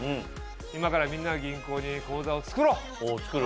今から「みんなの銀行」に口座を作ろう。お作る？